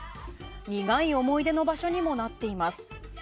苦い思い出の場所にもなっています。